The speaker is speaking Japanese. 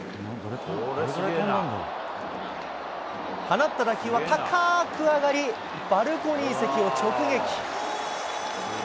放った打球は高ーく上がり、バルコニー席を直撃。